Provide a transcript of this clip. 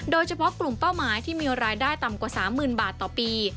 โดยเฉพาะกลุ่มเป้าหมายที่มีรายได้ต่ำกว่า๓๐๐๐บาทต่อปี